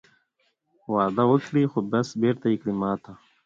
وعده وکړې خو بس بېرته یې کړې ماته